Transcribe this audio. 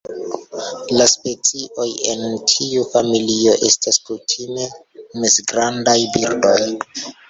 La specioj en tiu familio estas kutime mezgrandaj birdoj.